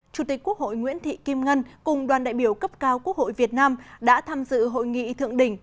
chủ tịch quốc hội nguyễn thị kim ngân cùng đoàn đại biểu cấp cao quốc hội việt nam đã tham dự hội nghị thượng đỉnh